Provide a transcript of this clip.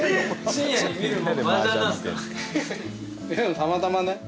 たまたまね